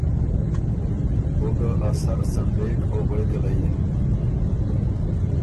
او ګه ا سر څنډېک او غوېکه له یِن